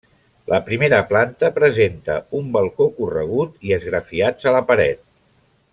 La primera planta presenta un balcó corregut i esgrafiats a la paret.